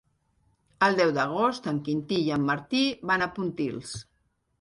El deu d'agost en Quintí i en Martí van a Pontils.